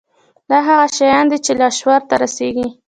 دا هغه شيان دي چې لاشعور ته رسېږي.